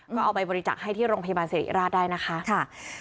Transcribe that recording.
ก็เอาไปบริจักษ์ให้ที่โรงพยาบาลสิริราชได้นะคะ